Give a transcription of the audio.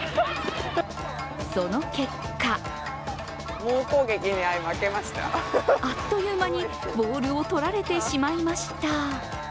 その結果あっという間にボールを取られてしまいました。